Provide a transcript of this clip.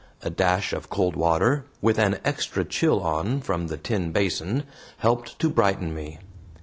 A dash of cold water, with an extra chill on from the tin basin, helped to brighten me.